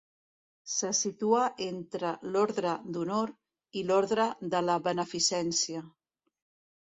Se situa entre l'Orde d'Honor i l'Orde de la Beneficència.